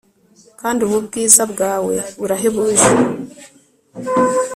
Kandi ubu bwiza bwawe burahebuje